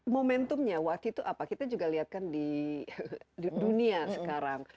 momentumnya waktu itu apa kita juga lihat kan di dunia sekarang